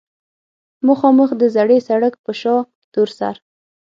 مخامخ د زړې سړک پۀ شا تورسر